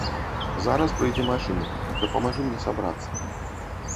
Зараз прыйдзе машына, дапамажы мне сабрацца.